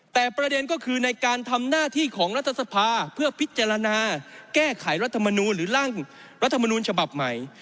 แต่ประเด็นก็คือในการทำหน้าที่ของรัฐสภาเพื่อพิจารณาแก้ไขรัฐมนูลหรือร่างรัฐมนูลฉบับใหม่